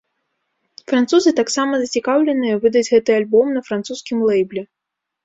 Французы таксама зацікаўленыя выдаць гэты альбом на французскім лэйбле.